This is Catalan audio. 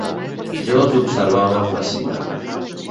Jo els observava fascinat.